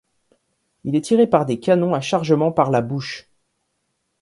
Il est tiré par des canons à chargement par la bouche.